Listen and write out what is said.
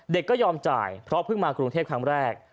ก็ยอมจ่ายเพราะเพิ่งมากรุงเทพครั้งแรก